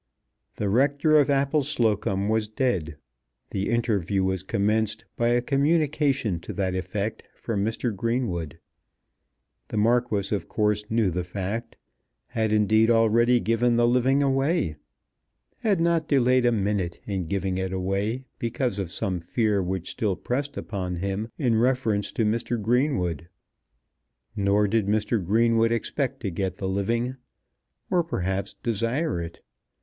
The Rector of Appleslocombe was dead. The interview was commenced by a communication to that effect from Mr. Greenwood. The Marquis of course knew the fact, had indeed already given the living away, had not delayed a minute in giving it away because of some fear which still pressed upon him in reference to Mr. Greenwood. Nor did Mr. Greenwood expect to get the living, or perhaps desire it.